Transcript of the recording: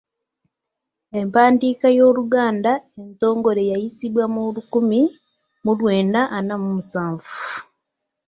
Empandiika y’Oluganda entongole yayisibwa mu lukumi mu lwenda ana mu musanvu.